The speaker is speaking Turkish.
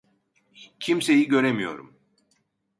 Kimseyi göremiyorum.